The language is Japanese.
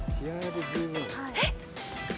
えっ！？